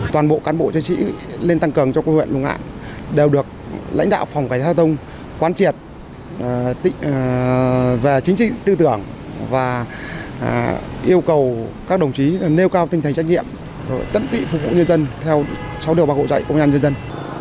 toàn bộ cán bộ chiến sĩ lên tăng cường cho huyện lục ngạn đều được lãnh đạo phòng cải thao thông quan triệt về chính trị tư tưởng và yêu cầu các đồng chí nêu cao tinh thần trách nhiệm tấn tị phục vụ nhân dân theo sáu điều bằng hộ dạy công an nhân dân